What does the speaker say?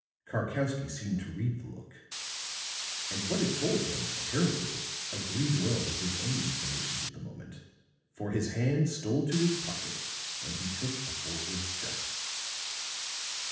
Karkowsky seemed to read the look; and what it told him, apparently, agreed well with his own inclinations at the moment, for his hand stole to his pocket and he took a forward step.